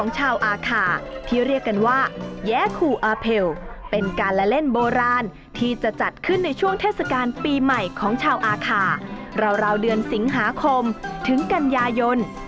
ชาวอาคาที่เรียกกันว่าแย้คูอาเพลเป็นการละเล่นโบราณที่จะจัดขึ้นในช่วงเทศกาลปีใหม่ของชาวอาคาราวเดือนสิงหาคมถึงกันยายน